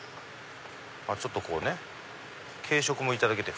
ちょっとこうね軽食もいただけて。